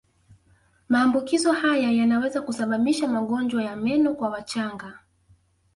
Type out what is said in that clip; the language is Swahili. Maambukizo haya yanaweza kusababisha magonjwa ya meno kwa wachanga